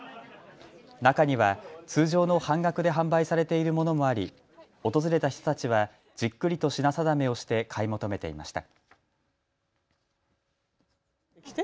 中には通常の半額で販売されているものもあり、訪れた人たちはじっくりと品定めをして買い求めていました。